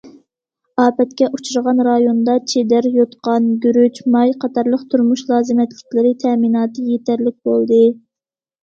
ئاپەتكە ئۇچرىغان رايوندا چېدىر، يوتقان، گۈرۈچ، ماي قاتارلىق تۇرمۇش لازىمەتلىكلىرى تەمىناتى يېتەرلىك بولدى.